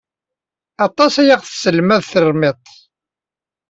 Aṭas ay aɣ-d-tesselmad termit.